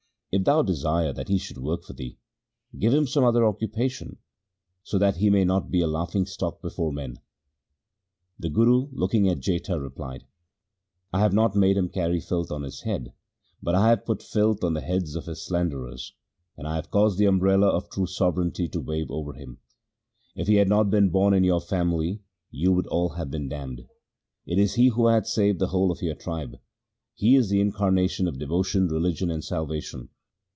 If thou desire that he should work for thee, give him some other occupation, so that he may not be a laughing stock before men.' The Guru looking at Jetha replied : 4 1 have not made him carry filth on his head, but I have put filth on the heads of his slanderers, and I have caused the umbrella of true sovereignty to wave over him. If he had not been born in your family, you would all have been damned. It is he who hath saved the whole of your tribe. He is the incarnation of devotion, religion, and salvation.